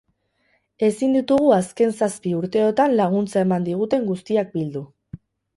Ezin ditugu azken zazpi urteotan laguntza eman diguten guztiak bildu.